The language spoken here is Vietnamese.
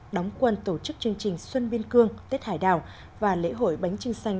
đóng quân tổ chức chương trình xuân biên cương tết hải đảo và lễ hội bánh trưng xanh